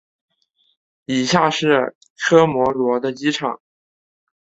以下是科摩罗的机场。